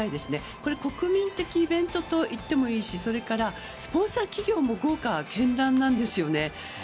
これは国民的イベントといってもいいしそれから、スポンサー企業も豪華絢爛なんですね。